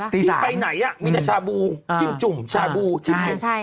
ที่ไปไหนมีแต่ชาบูจิ้มจุ่มชาบูจิ้มจุ่ม